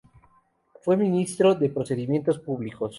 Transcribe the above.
Fue ministro de Procedimientos Públicos.